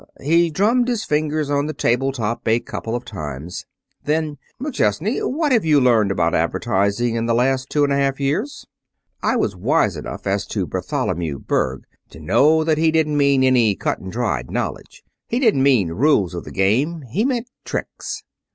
He drummed his fingers on the table top a couple of times. Then McChesney, what have you learned about advertising in the last two and a half years?' "I was wise enough as to Bartholomew Berg to know that he didn't mean any cut and dried knowledge. He didn't mean rules of the game. He meant tricks.